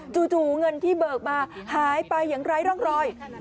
เงินที่เบิกมาหายไปอย่างไร้ร่องรอย